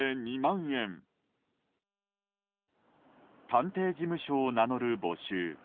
探偵事務所を名乗る募集。